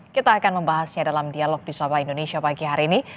kita akan membahasnya dalam dialog di sabah indonesia pagi hari ini